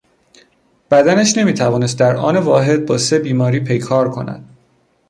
بدنش نمیتوانست در آن واحد با سه بیماری پیکار کند.